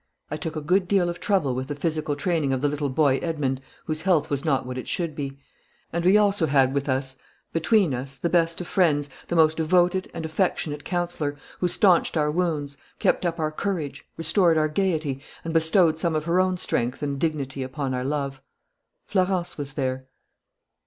"I took a good deal of trouble with the physical training of the little boy Edmond, whose health was not what it should be. And we also had with us, between us, the best of friends, the most devoted and affectionate counsellor, who staunched our wounds, kept up our courage, restored our gayety, and bestowed some of her own strength and dignity upon our love. Florence was there."